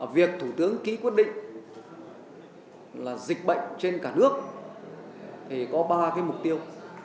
việc thủ tướng ký quyết định là dịch bệnh trên cả nước thì có ba cái mục tiêu